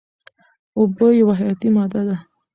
اوبه یوه حیاتي ماده ده.